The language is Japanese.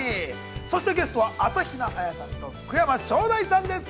そして、ゲストは、朝比奈彩ちゃんと、福山翔大さんです。